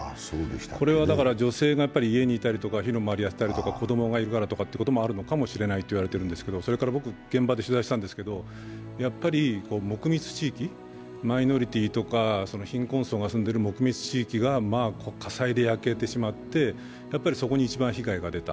これは女性が家にいたりとか、火の回りをやっていたりとか、子供がいるからということもあるかもしれないと言われているんですけど、それから現場で取材したんですけど、マイノリティーとか貧困層が住んでいる地域が火災で焼けてしまって、そこに一番被害が出た。